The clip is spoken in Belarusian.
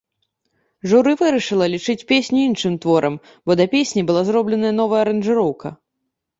Журы вырашыла лічыць песню іншым творам, бо да песні была зробленая новая аранжыроўка.